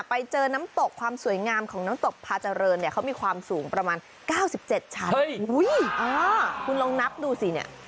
ไปเจอน้ำตกความสวยงามของน้ำตกพาเจริญเนี่ยเขามีความสูงประมาณ๙๗ชั้นคุณลองนับดูสิเนี่ย